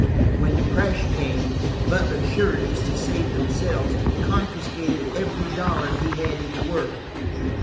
When the crash came, Butler's sureties, to save themselves, confiscated every dollar he had in the world.